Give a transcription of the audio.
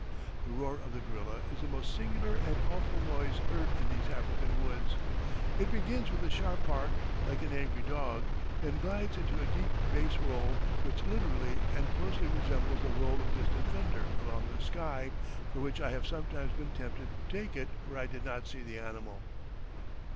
The roar of the gorilla is the most singular and awful noise heard in these African woods. It begins with a sharp bark, like an angry dog, then glides into a deep bass roll, which literally and closely resembles the roll of distant thunder along the sky, for which I have sometimes been tempted to take it where I did not see the animal.